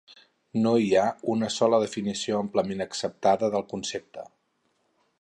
No hi ha una sola definició amplament acceptada del concepte.